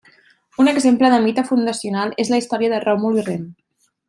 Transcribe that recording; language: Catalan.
Un exemple de mite fundacional és la història de Ròmul i Rem.